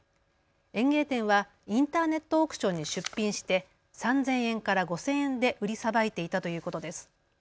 園芸店はインターネットオークションに出品して３０００円から５０００円で売りさばいていたということです。